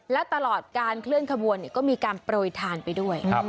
และตลอดการเคลื่อนขบวนก็มีการโปรยทานไปด้วย